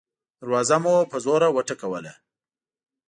دروازه مو په زوره وټکوله.